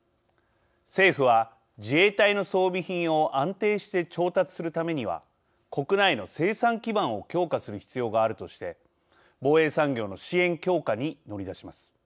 政府は自衛隊の装備品を安定して調達するためには国内の生産基盤を強化する必要があるとして防衛産業の支援強化に乗り出します。